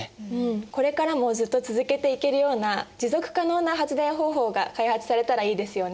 これからもずっと続けていけるような持続可能な発電方法が開発されたらいいですよね。